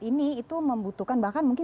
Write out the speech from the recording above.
ini itu membutuhkan bahkan mungkin